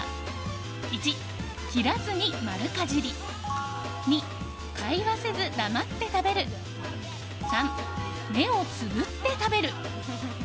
１、切らずに丸かじり２、会話せず黙って食べる３、目をつぶって食べる。